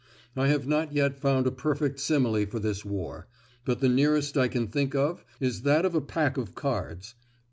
I have not yet found a perfect simile for this war, but the nearest I can think of is that of a pack of cards.